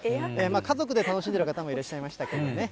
家族で楽しんでる方もいらっしゃいましたけどね。